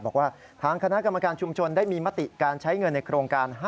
บอกว่าทางคณะกรรมการชุมชนได้มีมติการใช้เงินในโครงการ๕